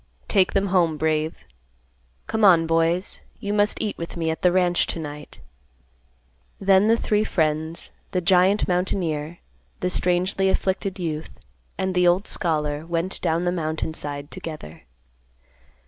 "Take them home, Brave. Come on, boys, you must eat with me at the ranch, to night." Then the three friends, the giant mountaineer, the strangely afflicted youth, and the old scholar went down the mountain side together.